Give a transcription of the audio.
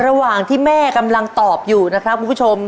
ระหว่างที่แม่กำลังตอบอยู่นะครับคุณผู้ชม